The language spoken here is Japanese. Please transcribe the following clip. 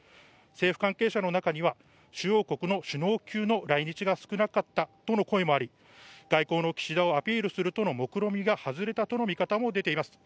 政府関係者の中には主要国の首脳級の来日が少なかったとの声もあり外交の岸田をアピールするとのもくろみが外れたとの見方も出ています。